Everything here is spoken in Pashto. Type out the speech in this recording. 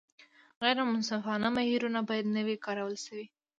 غیر منصفانه بهیرونه باید نه وي کارول شوي.